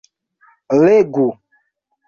legu